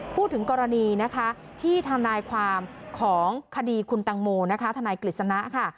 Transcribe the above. พูดถึงกรณีที่ท่านายความของคดีคุณตังโมท่านายกฤษณะ